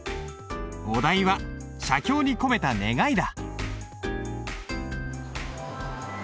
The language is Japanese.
お題は「写経に込めた願い」だ。